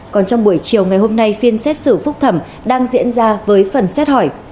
còn trong buổi chiều ngày hôm nay phiên xét xử phúc thẩm đang diễn ra với phần xét hỏi